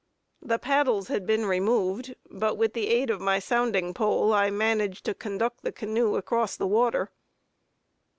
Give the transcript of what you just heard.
The paddles had been removed, but with the aid of my sounding pole, I managed to conduct the canoe across the water.